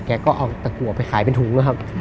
แกก็เอาตะกัวไปขายเป็นถุงนะครับ